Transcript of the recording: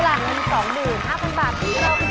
จะสมเงินไปแล้วค่ะ๑๕๐๐๐บาท